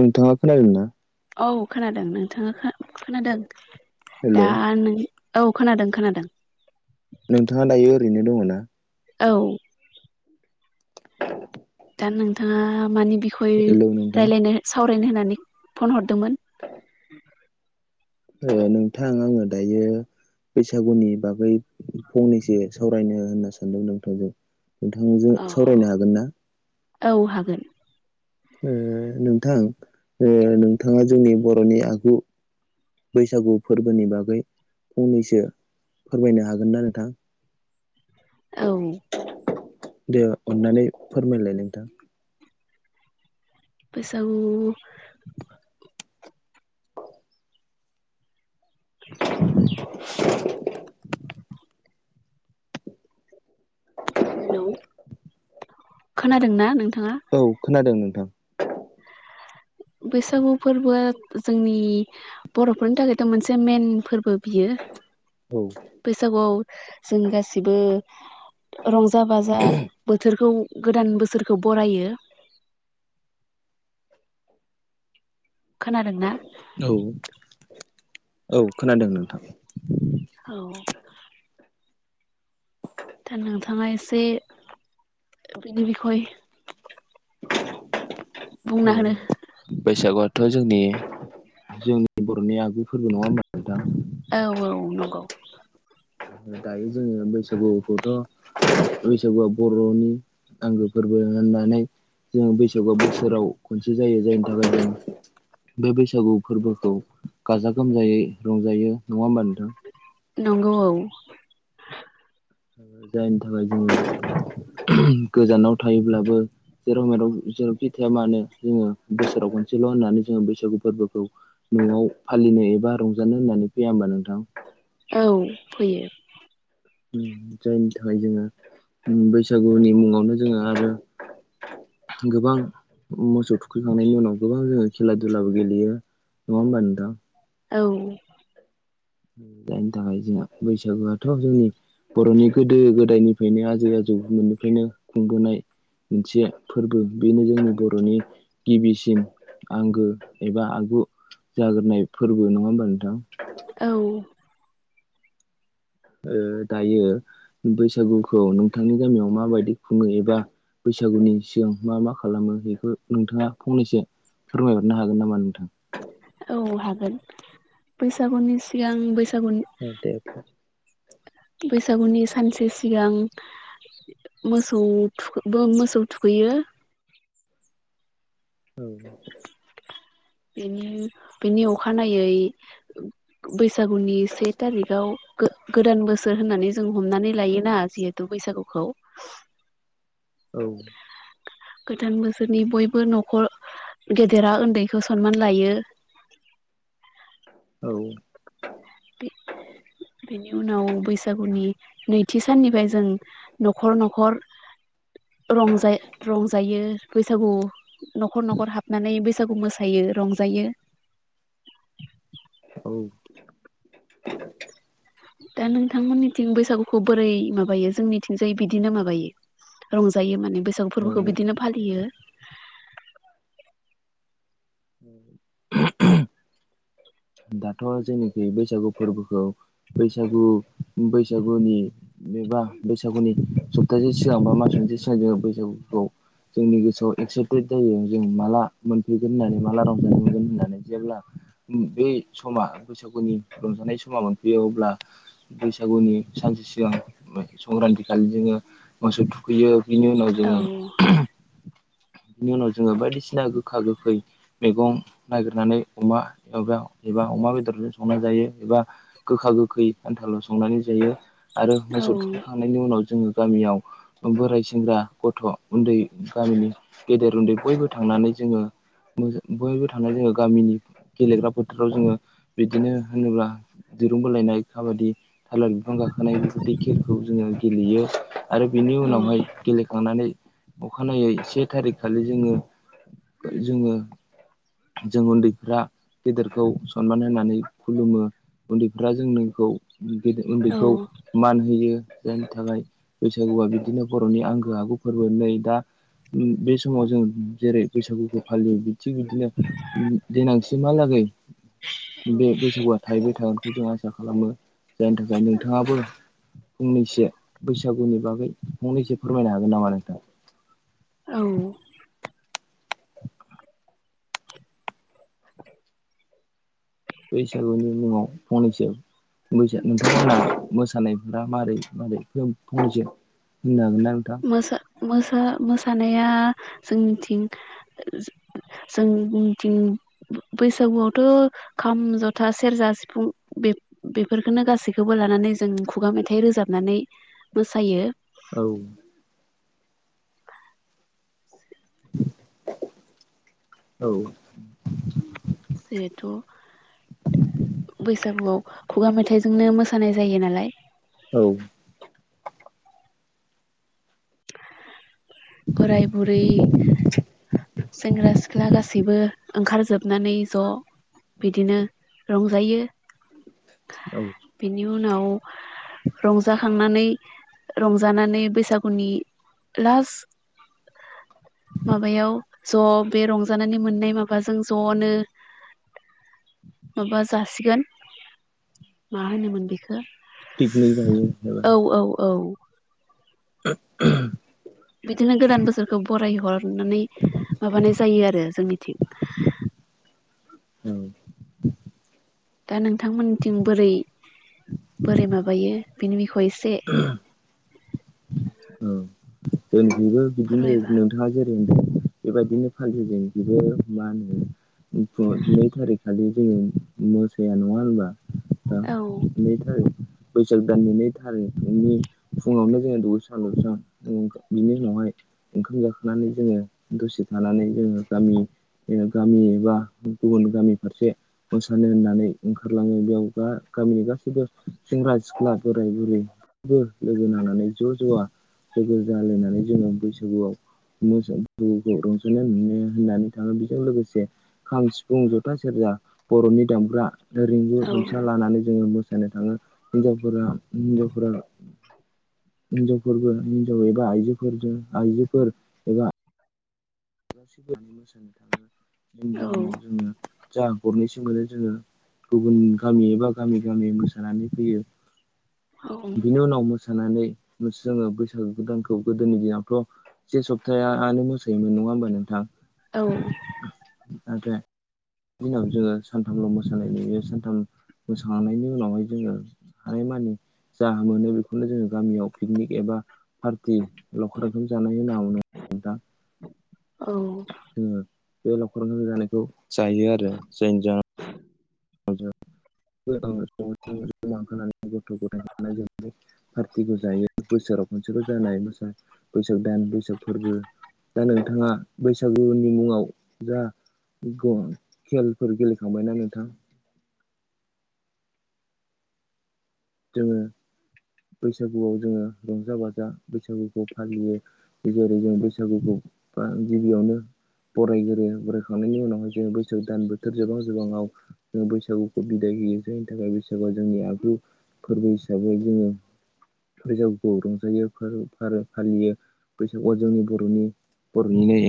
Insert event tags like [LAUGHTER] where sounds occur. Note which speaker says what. Speaker 1: नोंथाङा खोनादों ना?
Speaker 2: औ खोनादों नोंथाङा खोनादों दा
Speaker 1: हेलौ
Speaker 2: आं नों औ खोनादों खोनादों।
Speaker 1: नोंथाङा दायो ओरैनो दङ ना?
Speaker 2: औ।
Speaker 1: [INAUDIBLE]
Speaker 2: दा नोंथाङा मानि बिखय
Speaker 1: हेलौ नोंथां
Speaker 2: राय्लायनो सावरायनो होननानै फन हर दोंमोन?
Speaker 1: ओ नोंथां आङो दायो बैसागुनि बागै फंनैसो सावरायनो होनना सानदों नोंथांजों। नोंथांजों
Speaker 2: औ
Speaker 1: सावरायनो हागोन ना?
Speaker 2: औ हागोन
Speaker 1: ओ नोंथां नोंथाङा जोंनि बर'नि आगु बैसागु फोरबोनि बागै फंनैसो फोरमायनो हागोन ना नोंथां?
Speaker 2: औ।
Speaker 1: दे अननानै फोरमायलाय नोंथां।
Speaker 2: बैसागु [INAUDIBLE]
Speaker 1: [INAUDIBLE]
Speaker 2: हेलौ, खोनादोंना नों?
Speaker 1: औ खोनादों नोंथां।
Speaker 2: बैसागु फोरबोआ जोंनि बरफोरनि थाखायथ मोनसे मेन फोरबो बियो
Speaker 1: औ
Speaker 2: बैसागुआव जों गासिबो रंजा- बाजा बोथोरखौ गोदान बोसोर खौ बरायो खोनादोंना
Speaker 1: औ औ खोनादों नोंथां
Speaker 2: औ दा नोंथाङा एसे बिनि बिखौहाय [UNINTELLIGIBLE]
Speaker 1: बैसागुवा थ जोंनि जोंनि बरनि आगु फोरबो नङा होनबा नोंथां
Speaker 2: औ औ नंगौ
Speaker 1: दायो जोङो बैसागुखौथ बैसागुआ बरनि आंगो फोरबो होननानै जों बैसागुआ बोसोराव खनसे जायो जायनि थाखाय जों बे बैसागु फोरबोखौ गाजा गोमजायै रंजायो नङा होमबा नोंथां
Speaker 2: नंगौ औ
Speaker 1: जायनि थाखाय जोङो गोजानाव थायोब्लाबो जेराव मेराव जेरावखि थाया मानो जोङो बोसोराव खनसेल होननानै जोङो बैसागु फोरबोखौ नआव फालिनो एबा रंजानो होननानै फैया होनबा नोंथां
Speaker 2: औ फैयो
Speaker 1: उम जायनि थाखाय जोङो बैसागुनि मुङावनो जोङो आरो गोबां मोसौ थुखैखांनायनि उनाव गोबां जोङो खेला दुलाबो गेलेयो नङा होनबा नोंथां
Speaker 2: औ
Speaker 1: जायनि थाखाय जोंहा बैसागुआथ जोंनि बरनि गोदो गोदायनिफ्रायनो आजै आजौ मोननिफ्रायनो खुंबोनाय मोनसे फोरबो बेनो जोंनि बरनि गिबिसिन आंगो एबा आगु जाग्रोनाय फोरबो नङा होमबा नोंथां
Speaker 2: औ
Speaker 1: ओ दायो बैसागुखौ नोंथांनि गामियाव माबायदि खुङो एबा बैसागुनि सिगां मा मा खालामो बेखौ नोंथाङा फंनैसो फोरमायहरनो हागोन नामा नोंथां
Speaker 2: औ हागोन बैसागुनि सिगां बैसा -
Speaker 1: औ दे
Speaker 2: बैसागुनि सानसे सिगां मोसौ थु मोसौ थुखैयो
Speaker 1: औ
Speaker 2: बेनि बेनि अखानायै बैसागुनि से थारिगआव गो गोदान बोसोर होननानै जों हमनानै लायोना जिहेथु बैसागुखौ
Speaker 1: औ
Speaker 2: गोदान बोसोरनि बयबो नखर गेदेरा उन्दैखौ सनमान लायो [UNINTELLIGIBLE]
Speaker 1: औ
Speaker 2: बे बेनि उनाव बैसागुनि नैथि साननिफ्राय जों न'खर न'खर रंजा रंजायो बैसागु न'खर न'खर हाबनानै बैसागु मोसायो ओ रंजायो
Speaker 1: औ
Speaker 2: दा नोंथांमोननिथिं बैसागुखौ बोरै माबायो? जोंनिथिंजाय बिदिनो माबायो रंजायो माने बैसागु फोरबोखौ
Speaker 1: ओ
Speaker 2: बिदिनो फालियो ।
Speaker 1: औ [UNINTELLIGIBLE] दाथ' जोंनिखै बैसागु फोरबोखौ बैसागु बैसागुनि एबा बैसागुनि सप्तासे सिगां बा मास मोनसो सिगां जोंङो बैसागुखौ जोंनि गोसोआव एक्साइटेड जायो, जों माला मोनफैगोन होननानै माला रंजानाय मोनगोन होननानै? जेब्ला उम बे समा बैसागुनि रंजानाय समा मोनफैयो अब्ला बैसागुनि सानसे सिगां संक्रान्ति खालि जोंङो मोसौ थुखैयो बिनि उनाव
Speaker 2: औ
Speaker 1: जोंङो बिनि उनाव जोङो बायदिसिना गोखा गोखै मैगं नागिरनानै अमा एबा एबा अमा बेदरजों संना जायो एबा गोखा गोखै आनथाल' संनानै जायो आरो
Speaker 2: औ
Speaker 1: मोसौ थुखैखांनायनि उनाव जोंङो गामियाव बोराय, सेंग्रा, गथ', उन्दै गामिनि गेदेर उन्दै बयबो थांनानै जोंङो मोजां बयबो थांनानै जोंङो गामिनि गेलेग्रा फोथाराव जोंङो बिदिनो होनोब्ला दिरुं बोलायनाय, काबादि, थालिर बिफां गाखोनाय बेबायदि खेलखौ जोंङो गेलेयो। आरो बिनि उनावहाय गेलेखांनानै अखानायै से थारिख खालि जोंङो जोंङो जों उन्दैफ्रा गेदेरखौ सनमान होनानै खुलुमो उन्दैफ्रा जों नोंखौ
Speaker 2: औ
Speaker 1: उन्दैखौ मान होयो । जायनि थाखाय बैसागुआ बिदिनो बर'नि आंगो आगु फोरबो नै दा बे समाव जों जेरै- बैसागुखौ फालियो थिग बिदिनो देनां सिमहालागै
Speaker 2: [INAUDIBLE]
Speaker 1: बे बैसागुआ थाहैबाय थागोनखौ जों आसा खालामो । जायनि थाखाय नोंथांङाबो फंनैसो बैसागुनि बागै फंनैसो फोरमायनो हागोन नामा नोंथां?
Speaker 2: औ
Speaker 1: बैसागुनि मुंङाव फंनैसो बैसागु नोंथांमोनहा मोसानायफोरा मारै मारै फंनैसो होननो हागोनना?
Speaker 2: मोसा मोसा मोसानाया जोंनिथिं ओ जोंनिथिं बैसागुआवथ' खाम, जथा, सेरजा, सिफुं बे बेफोरखौनो गासैखौबो लानानै जों खुगा मेथाइ रोजाबनानै मोसायो ।
Speaker 1: औ औ
Speaker 2: जिहेथु बैसागुआव खुगा मेथाइजोंनो मोसानाय जायो नालाय
Speaker 1: औ
Speaker 2: बोराय, बुरै, सेंग्रा, सि सिख्ला गासैबो ओंखार जोबनानै ज' बिदिनो रंजायो।
Speaker 1: औ
Speaker 2: बेनि उनाव रंजाखांनानै रंजानानै बैसागु उननि लास माबायाव ज' बे रंजानानै मोननाय माबाजों ज'नो माबा जासिगोन । मा होनोमोन बेखो?
Speaker 1: पिकनिक जायो एबा
Speaker 2: औ औ औ
Speaker 1: [UNINTELLIGIBLE]
Speaker 2: बिदिनो गोदान बोसोरखौ बराय हरनानै माबानाय जायो आरो जोंनिथिं
Speaker 1: औ
Speaker 2: दा नोंथांमोनथिं बोरै बोरै माबायो बेनि खौ इसे
Speaker 1: औ जोंनिथिंबो बिदिनो
Speaker 2: फोरमायबा
Speaker 1: नोंथांङा जेरै होनदों बेबायदिनो फालियो जोंनिखिबो मा होनो [UNINTELLIGIBLE] नै थारिख खालि जोंङो मोसाया नंङा होनबा
Speaker 2: औ
Speaker 1: म थाय [UNINTELLIGIBLE] बैसाग दाननि नै थारिखनि फुङावनो जोङो द आलस बिनि उनावहाय ओंखाम जाखांनानै जोङो दसे थानानै जोङो गामि गामि एबा गुबुन गामि फारसे मोसानो होननानै ओंखारलाङो बेयाव दा गामिनि गासैबो सेंग्रा सिख्ला बोराय बुरैबो लोगोनांनानै ज' ज' जुवा लोगो जालायनानै जोङो बैसागुआव मोस मोसखौ रंसानाय मोनो होननानै थाङो बेजों लोगोसे खाम सिफुं जथा सेरजा जा बर'नि दामग्रा रिंगु
Speaker 2: औ
Speaker 1: दामसा लानानै जोङो सानो थाङो हिन्जावफोरा हिन्जावफोरा हिनजावफोरबो हिनजाव एबा आइजोफोरजों आइजोफोर एबा गासिबोआनो मोसानो थाङो जों
Speaker 2: औ
Speaker 1: जाहोनाव जोङो जा गरनै मोनो जोङो गुबुन गामि एबा गामि गामि मोसानानै फैयो बिनि उनाव मोसानानै जोङो बैसागु गोदानखौ गोदोनि दिनावथ' से सप्तानो मोसायोमोन नङा होमबा नोंथां
Speaker 2: औ
Speaker 1: आर बे दिनाव जोङो सानथामल' मोसानाय नुयो सानथाम मोसांनायनि उनावहाय जोङो हानायमानि जा मोनो बेखौनो जोङो गामियाव पिकनिक एबा पार्टि लावखार ओंखाम जानाय होननो दा
Speaker 2: औ
Speaker 1: बे लावखर जानायखौ जायो आरो जायनि जा [UNINTELLIGIBLE] गथ' गथाय [INAUDIBLE] पार्टिखौ जायो बोसोराव खनसेल' जानायो बैसाग दाननि बैसाग फोरबो दा नोंथाङा बैसागुनि मुङाव जा खेलफोर गेलेखांबायना नोंथां? जोङो बैसागुआव जोङो रंजा बाजा बैसागुखौ फालियो जेरै जों बैसागुखौ बा गिबियावनो बरायगोरो बरायखांनायनि उनावाय जोङो बैसागु दान बोथोर जोबां जोबाहाङाव जो बैसागुखौ बिदाय होयो जायनि थाखाय बैसागुआव जोंनि आगलु फोरबो हिसाबै जोङो बैसागुखौ रंजायो फोर फार फालियो बैसागुआव जोंनि बर'नि बर'निनो